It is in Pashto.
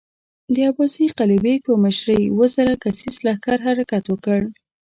د عباس قلي بېګ په مشری اووه زره کسيز لښکر حرکت وکړ.